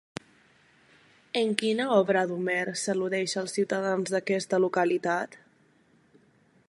En quina obra d'Homer s'al·ludeix als ciutadans d'aquesta localitat?